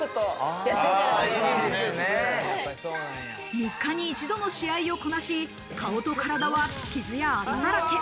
３日に一度の試合をこなし、顔と体は傷やアザだらけ。